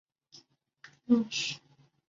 父亲提舍是婆罗门教中著名论师。